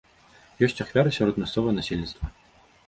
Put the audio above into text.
Ёсць ахвяры сярод мясцовага насельніцтва.